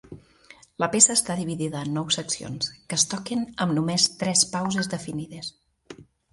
La peça està dividida en nou seccions, que es toquen amb només tres pauses definides.